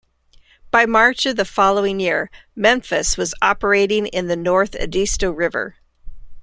By March of the following year, "Memphis" was operating in the North Edisto River.